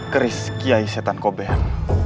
kris kiai setan kober